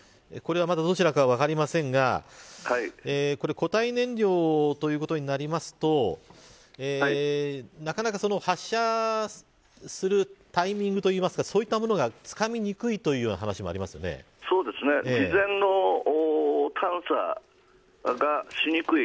まだどちらか分かりませんが固体燃料ということになりますとなかなか発射するタイミングといいますかそういったものがつかみにくいという事前の探査がしにくい。